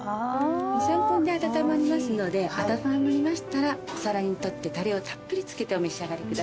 ２３分で温まりますので温まりましたらお皿に取ってタレをたっぷりつけてお召し上がりください。